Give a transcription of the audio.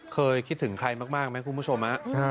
คิดถึงใครมากไหมคุณผู้ชม